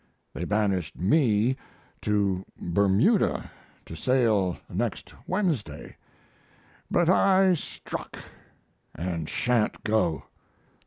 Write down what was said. They banished me to Bermuda to sail next Wednesday, but I struck and sha'n't go.